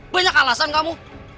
banyak alasan kamu